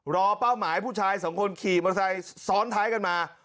เป้าหมายผู้ชายสองคนขี่มอเตอร์ไซค์ซ้อนท้ายกันมา